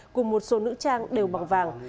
cùng một số nữ trang đều bằng vàng